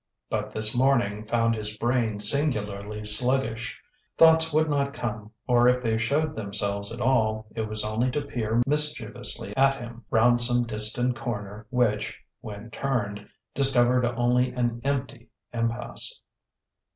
But this morning found his brain singularly sluggish: thoughts would not come; or if they showed themselves at all, it was only to peer mischievously at him round some distant corner which, when turned, discovered only an empty impasse.